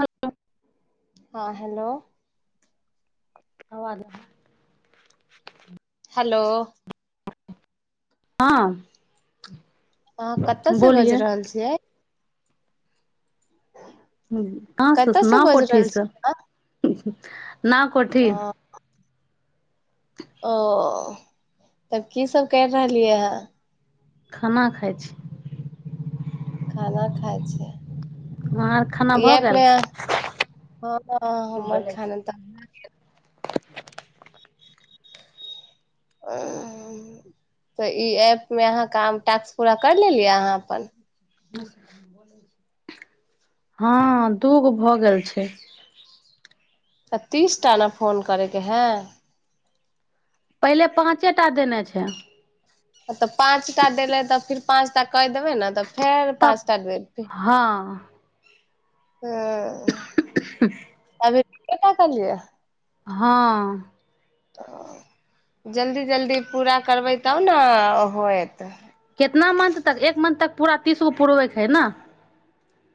hello हँ hello आवाज hello हँ आहाँ कतय से बाजि बोलिए रहल छियै हूँ कतऽ से नाव बाजि रहल कोठीसँ छियै हूँ ह नाव कोठी अहाँ ओ तब की सब कैर रहलियै हं खाना खाइ छी खाना खाय अहाँ आर खाना छिय भऽ गेल [inaudible] हमर खान त ए अ - तऽ ई ऐपमे अहाँ काम टास्क पूरा कर लेलियै अहाँ अपन हँ दू गो भऽ गेल छै त तीस टा ने फोन करयके हैं पहिले पाँचे टा देने छै तऽ पाँच टा देलै तऽ फेर पाँच टा कए देबै ने तऽ फेर तब पाँचटा देत हँ हं - अ अभी केकरा कहलियै या हँ जल्दी जल्दी पूरा करबै तब ने होयत कितना मंथ तक एक मंथ तक पूरा तीस गो पुरबैके हइ ने